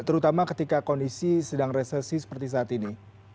terutama ketika kondisi sedang resesi seperti saat ini